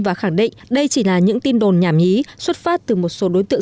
và khẳng định đây chỉ là những tin đồn nhảm nhí xuất phát từ một số đối tượng